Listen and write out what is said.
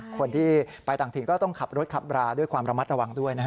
คนที่ไปต่างถิ่นก็ต้องขับรถขับราด้วยความระมัดระวังด้วยนะฮะ